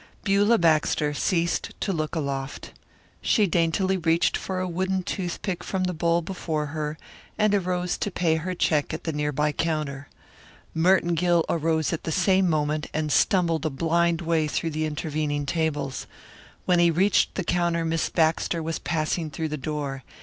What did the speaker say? Beulah Baxter ceased to look aloft. She daintily reached for a wooden toothpick from the bowl before her and arose to pay her check at the near by counter. Merton Gill arose at the same moment and stumbled a blind way through the intervening tables. When he reached the counter Miss Baxter was passing through the door.